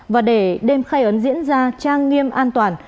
và để đêm khai ấn diễn ra trang nghiêm an toàn